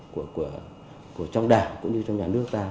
của trong đảng cũng như trong nhà nước ta